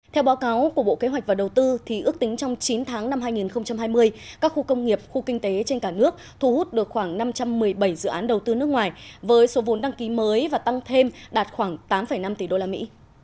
theo báo cáo của bộ kế hoạch và đầu tư ước tính trong chín tháng năm hai nghìn hai mươi các khu công nghiệp khu kinh tế trên cả nước thu hút được khoảng năm trăm một mươi bảy dự án đầu tư nước ngoài với số vốn đăng ký mới và tăng thêm đạt khoảng tám năm tỷ đô la mỹ